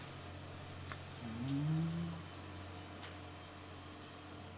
ふん。